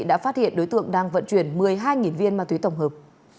đã phát hiện đối tượng đang vận chuyển một mươi hai viên ma túy tổng hợp